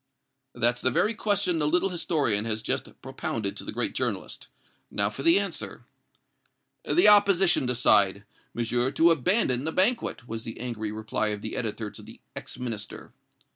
"That's the very question the little historian has just propounded to the great journalist. Now for the answer." "The opposition decide, Monsieur, to abandon the banquet," was the angry reply of the editor to the ex Minister.